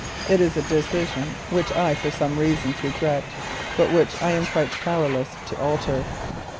It is a decision which I for some reasons regret, but which I am quite powerless to alter.